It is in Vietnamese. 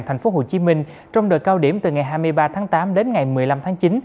thành phố hồ chí minh trong đời cao điểm từ ngày hai mươi ba tháng tám đến ngày một mươi năm tháng chín